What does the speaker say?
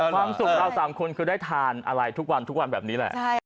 ความสุขเรา๓คนคือได้ทานอะไรทุกวันทุกวันแบบนี้แหละ